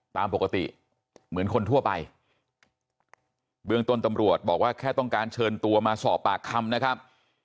ตามปกติเหมือนคนทั่วไปเบื้องต้นตำรวจบอกว่าแค่ต้องการเชิญตัวมาสอบปากคำนะครับ